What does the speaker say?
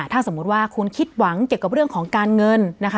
ถ้าสมมุติว่าคุณคิดหวังเกี่ยวกับเรื่องของการเงินนะคะ